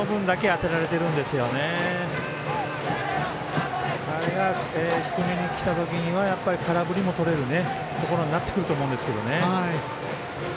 あれが、低めにきた時には空振りもとれるところになってくると思うんですけどね。